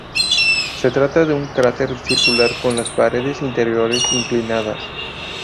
Se trata de un cráter circular con las paredes interiores inclinadas.